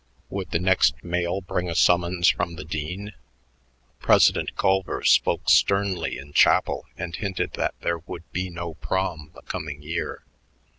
Would the next mail bring a summons from the dean? President Culver spoke sternly in chapel and hinted that there would be no Prom the coming year.